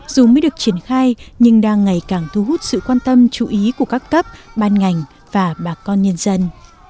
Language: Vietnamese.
dù mới được triển khai nhưng đang ngày càng thu hút sự quan tâm chú ý của các cấp ban ngành và bà con nhân dân